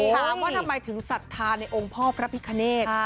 ถามว่าทำไมถึงศรัทธาในองค์พ่อพระพิคเนธ